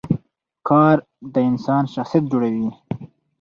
کار د انسان شخصیت جوړوي